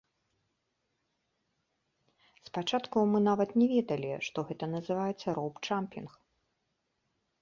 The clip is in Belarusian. Спачатку мы нават не ведалі, што гэта называецца роўпджампінг.